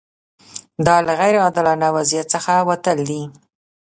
دا له غیر عادلانه وضعیت څخه وتل دي.